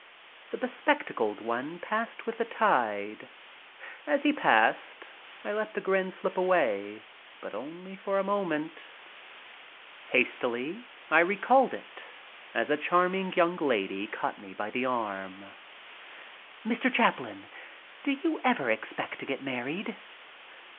The bespectacled one passed with the tide. As he passed I let the grin slip away, but only for a moment. Hastily I recalled it as a charming young lady caught me by the arm. "Mr. Chaplin, do you ever expect to get married?"